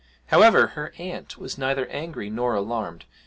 However, her aunt was neither angry nor alarmed.